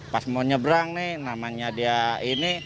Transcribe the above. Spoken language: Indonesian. pas mau nyebrang nih namanya dia ini